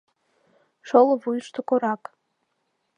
Шоло вуйышто корак.